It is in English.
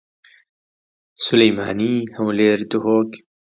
The introduction played before "Radioactive" is left in as part of the song.